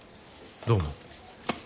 どうも。